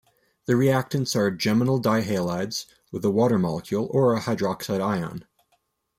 The reactants are geminal dihalides with a water molecule or a hydroxide ion.